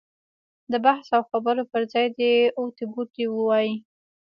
د بحث او خبرو پر ځای دې اوتې بوتې ووایي.